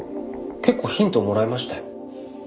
結構ヒントもらいましたよ。